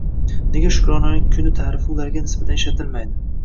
Nega shukronalik kuni taʼrifi ularga nisbatan ishlatilmaydi